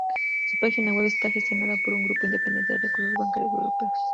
Su página web está gestionada por un grupo independiente de Recursos Bancarios Europeos.